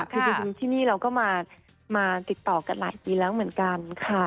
คือจริงที่นี่เราก็มาติดต่อกันหลายปีแล้วเหมือนกันค่ะ